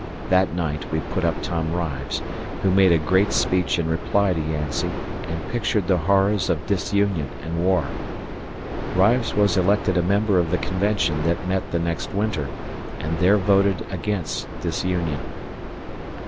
That night we put up Tim Rives, who made a great speech in reply to Yancey and pictured the horrors of disunion and war. Rives was elected a member of the Convention that met the next winter, and there voted against disunion.